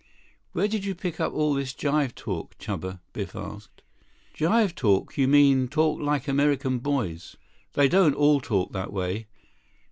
"Where did you pick up all this jive talk, Chuba?" Biff asked. "Jive talk? You mean talk like American boys?" "They don't all talk that way.